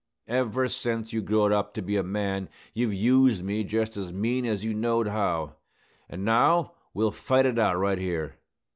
Ever sence you growed up to be a man you've used me just as mean as you knowed how; an' now we'll fight it out right here."